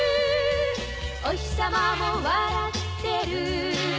「おひさまも笑ってる」